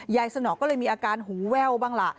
สนอก็เลยมีอาการหูแว่วบ้างล่ะ